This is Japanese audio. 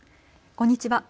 こんにちは。